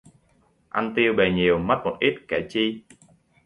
Ăn tiêu bề nhiều, mất một ít, kể chi